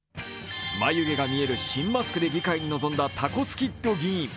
眉毛が見える新マスクで議会に臨んだタコスキッド議員。